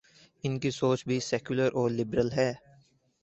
ان کی سوچ بھی سیکولر اور لبرل ہے۔